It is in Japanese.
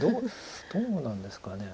どうなんですか。